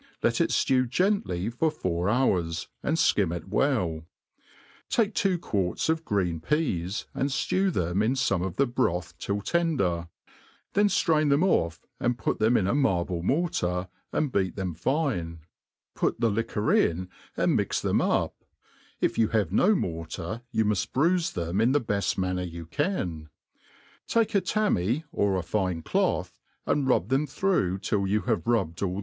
Jet it ftew. gently for four hour^, and Ikim it well ; take two quarts of green peas, and ftew them in fome of the broth till tender ; then firain them ofF, and put them in a marble mortar, and beat them fine, put the liquor in, and mix them up (if you have no mortar, you muft bruife them in the beft manner you can); take a tammy, or a fine cloth, and rub them through till you have rubbed, all